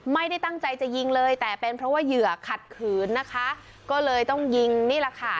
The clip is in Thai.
ไม่ได้ตั้งใจจะยิงเลยแต่เป็นเพราะว่าเหยื่อขัดขืนนะคะก็เลยต้องยิงนี่แหละค่ะ